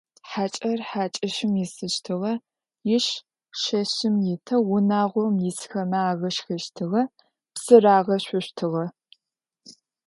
Хьакӏэр хьакӏэщым исыщтыгъэ, иш шэщым итэу унагъом исхэмэ агъашхэщтыгъэ, псы рагъашъощтыгъэ.